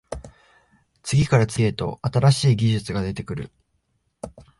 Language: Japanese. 次から次へと新しい技術が出てくる